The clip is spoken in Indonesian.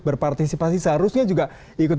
berpartisipasi seharusnya juga ikut